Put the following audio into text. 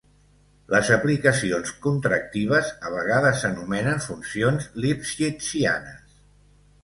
Les aplicacions contractives a vegades s'anomenen funcions lipschitzianes.